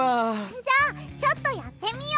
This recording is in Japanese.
じゃあちょっとやってみよう！